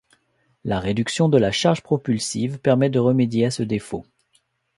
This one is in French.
La réduction de la charge propulsive permit de remédier à ce défaut.